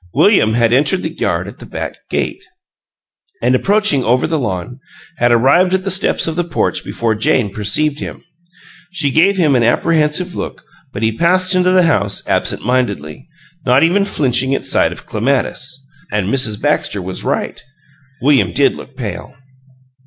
William had entered the yard at the back gate, and, approaching over the lawn, had arrived at the steps of the porch before Jane perceived him. She gave him an apprehensive look, but he passed into the house absent mindedly, not even flinching at sight of Clematis and Mrs. Baxter was right, William did look pale.